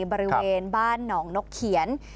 บริเวณบ้านหนองนกเขียน